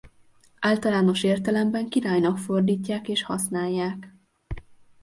Általános értelemben királynak fordítják és használják.